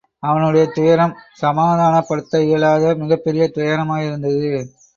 அவனுடைய துயரம் சமாதானப் படுத்த இயலாத மிகப்பெரிய துயரமாயிருந்தது.